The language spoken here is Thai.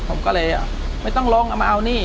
ผมก็เลยไม่ต้องลองเอามาเอานี่